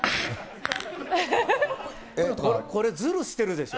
これずるしてるでしょ？